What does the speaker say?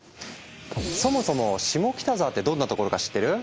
そもそも下北沢ってどんなところか知ってる？